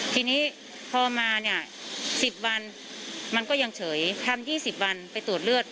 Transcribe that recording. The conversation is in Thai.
ทีนี้พอมาเนี่ย๑๐วันมันก็ยังเฉยทำ๒๐วันไปตรวจเลือด